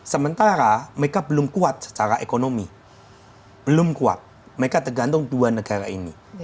sementara mereka belum kuat secara ekonomi belum kuat mereka tergantung dua negara ini